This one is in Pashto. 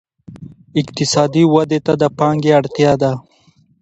اقتصادي ودې ته د پانګې اړتیا ده.